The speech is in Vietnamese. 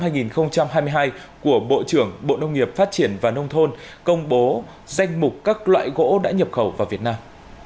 từ ngày hai mươi tháng sáu năm hai nghìn hai mươi hai của bộ trưởng bộ nông nghiệp phát triển và nông thôn công bố danh mục các loại gỗ đã nhập khẩu vào việt nam